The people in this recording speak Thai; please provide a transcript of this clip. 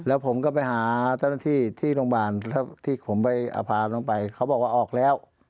แล้วผมก็ไปหาต้นที่โรงพยาบาลที่ผมไปอภารลงไปเขาบอกว่าออกแล้ว